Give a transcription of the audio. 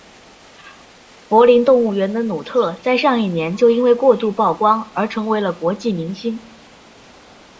柏林动物园的努特在上一年就因为过度曝光而成为了国际明星。